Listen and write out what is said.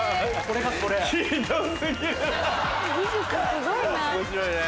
すごいな。